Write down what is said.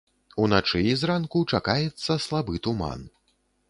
Уначы і зранку чакаецца слабы туман.